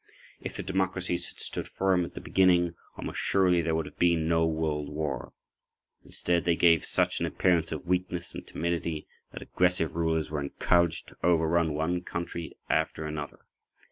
If the democracies had stood firm at the beginning, almost surely there would have been no World War. Instead they gave such an appearance of weakness and timidity that aggressive rulers were encouraged to overrun one country after another.